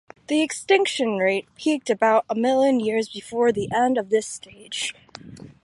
The extinction rate peaked about a million years before the end of this stage.